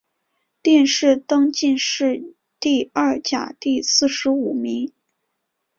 殿试登进士第二甲第四十五名。